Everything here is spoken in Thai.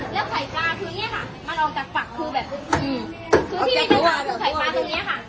แล้วไข่ปลาคือเนี่ยค่ะมันออกจากฝักคือแบบคือที่มีปัญหาคือไข่ปลาตรงเนี้ยค่ะ